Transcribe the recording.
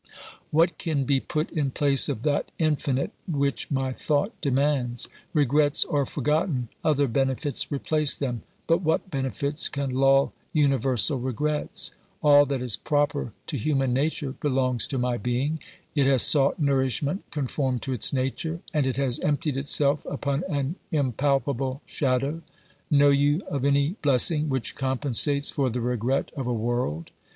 What can be put in place of that infinite which my thought demands ? Regrets are forgotten, other benefits replace them, but what benefits can lull universal regrets? All that is proper to human nature belongs to my being ; it has sought nourishment conformed to its nature, and it has emptied itself upon an impalpable shadow. Know you of any blessing which compensates for the regret of a world